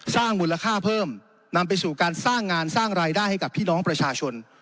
สร้างมูลค่าเพิ่มนำไปสู่การสร้างงานสร้างรายได้ให้กับพี่น้องประชาชน